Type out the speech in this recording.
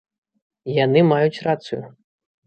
І яны маюць рацыю!